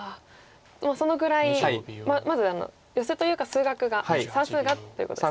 でもそのぐらいまずヨセというか数学が算数がということですね。